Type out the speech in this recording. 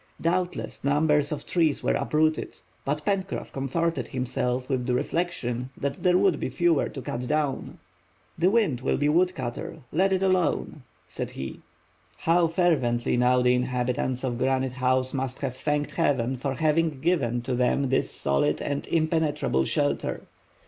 Doubtless numbers of trees were uprooted, but Pencroff comforted himself with the reflection that there would be fewer to cut down. "The wind will be wood cutter; let it alone," said he. How fervently now the inhabitants of Granite House must have thanked Heaven for having given to them this solid and impenetrable shelter!